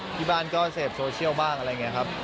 ที่บ้านก็เสพโซเชียลบ้างอะไรอย่างนี้ครับ